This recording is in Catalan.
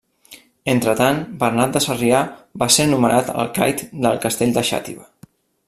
Entretant, Bernat de Sarrià va ser nomenat alcaid del castell de Xàtiva.